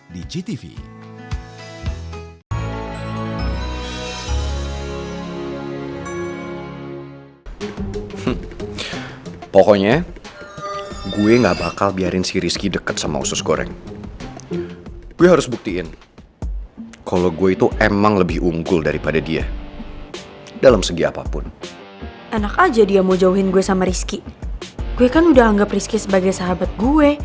dunia kiara di gtv